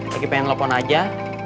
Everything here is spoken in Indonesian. lagi pengen ngelepon aja